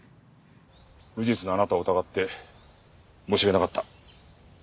無実のあなたを疑って申し訳なかった。